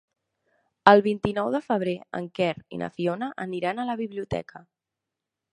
El vint-i-nou de febrer en Quer i na Fiona aniran a la biblioteca.